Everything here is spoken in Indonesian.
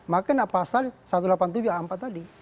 maka pasal satu ratus delapan puluh tujuh a empat tadi